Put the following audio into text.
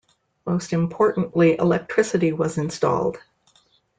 Most importantly, electricity was installed.